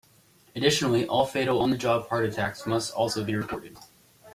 Additionally, all fatal on-the-job heart attacks must also be reported.